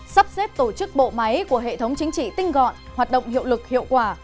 sắp xếp tổ chức bộ máy của hệ thống chính trị tinh gọn hoạt động hiệu lực hiệu quả